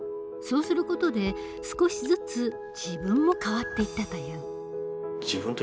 そうする事で少しずつ自分も変わっていったという。